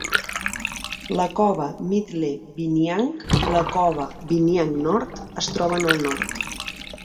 La cova Middle Binyang i la cova Binyang nord es troben al nord.